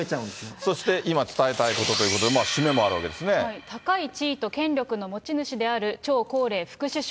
そして、いま伝えたいことというのは、高い地位と権力の持ち主である張高麗副首相。